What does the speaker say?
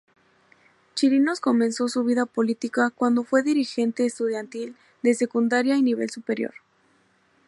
Chirinos comenzó su vida política cuando fue dirigente estudiantil de secundaria y nivel superior.